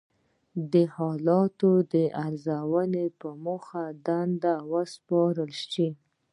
د حالاتو د ارزونې په موخه دندې وسپارل شوې.